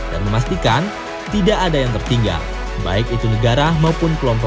dan memastikan tidak ada yang tertinggal untuk membuatnya lebih baik dan lebih baik untuk dunia yang lainnya